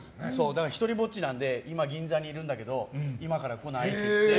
だから一人ぼっちなので今、銀座にいるんだけど今から来ない？って。